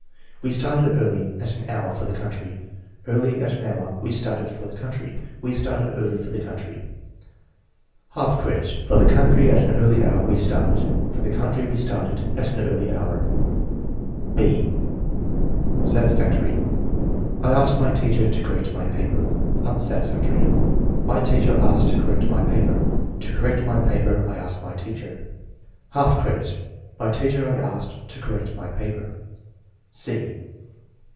"We started early at an hour for the country." "Early at an hour we started for the country." "We started early for the country." Half credit. "For the country at an early hour we started." "For the country we started at an early hour*" (&) Satisfactory. "I asked my teacher to correct my paper. 5 *' Unsatisfactory. "My teacher asked to correct my paper." "To correct my paper I asked my teacher." Half credit. "My teacher I asked to correct my paper."